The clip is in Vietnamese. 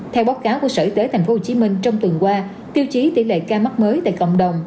theo báo cáo của sở y tế tp hcm trong tuần qua tiêu chí tỷ lệ ca mắc mới tại cộng đồng